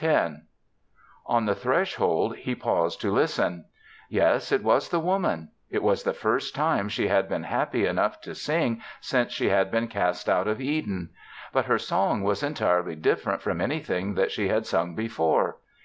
X On the threshold he paused to listen. Yes, it was the Woman. It was the first time she had been happy enough to sing since she had been cast out of Eden. But her song was entirely different from anything that she had sung before.